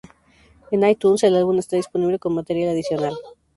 En iTunes el álbum está disponible con material adicional.